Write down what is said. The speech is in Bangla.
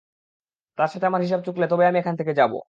তার সাথে আমার হিসাব চুকলে তবেই আমি এখান থেকে যাবো।